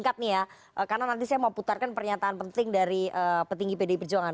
karena nanti saya mau putarkan pernyataan penting dari petinggi pdi perjuangan